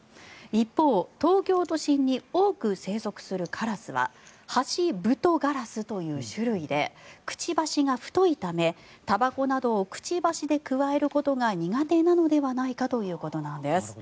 一方東京都心に多く生息するカラスはハシブトガラスという種類でくちばしが太いためたばこなどをくちばしでくわえることが苦手なのではないかということなんです。